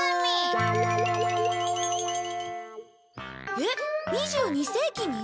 えっ２２世紀に？